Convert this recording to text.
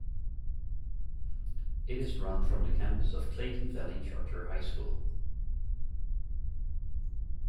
It is run from the campus of Clayton Valley Charter High School.